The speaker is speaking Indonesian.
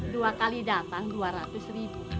dua kali datang dua ratus ribu